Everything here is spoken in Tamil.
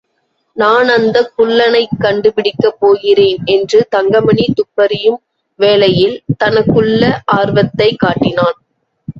நான் அந்தக் குள்ளனைக் கண்டுபிடிக்கப் போகிறேன் என்று தங்கமணி துப்பறியும் வேலையில் தனக்குள்ள ஆர்வத்தைக் காட்டினான்.